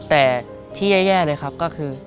แต่ที่แย่เลยครับก็คือ